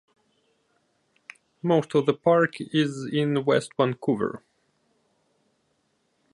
Most of the park is in West Vancouver.